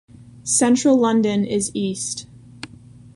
Central London is east.